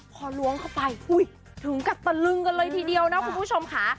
กลับไปถึงกระตาลึ้งกันเลยทีเดียวนะคุณผู้ชมค่ะ